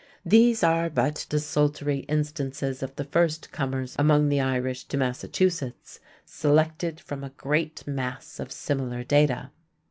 These are but desultory instances of the first comers among the Irish to Massachusetts, selected from a great mass of similar data.